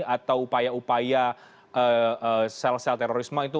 atau upaya upaya sel sel terorisme itu